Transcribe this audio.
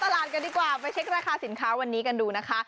ตลาดกันดีกว่าไปเช็คราคาสินค้าวันนี้กันดูนะคะ